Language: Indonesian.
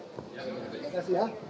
terima kasih ya